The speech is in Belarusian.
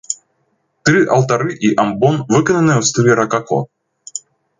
Тры алтары і амбон выкананыя ў стылі ракако.